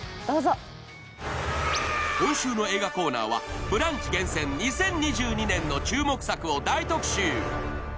どうぞ今週の映画コーナーは「ブランチ」厳選２０２２年の注目作を大特集！